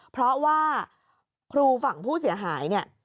เพราะว่าครูฝั่งผู้เสียหายเนี่ย